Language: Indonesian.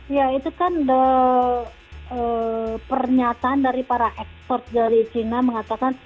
ya itu kan pernyataan dari para ekspor dari china mengatakan